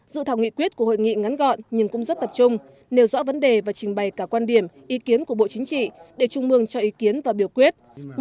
dự thảo nghị quyết của hội nghị ngắn gọn nhưng cũng rất tập trung nêu rõ vấn đề và trình bày cả quan điểm ý kiến của bộ chính trị để trung mương cho ý kiến và biểu quyết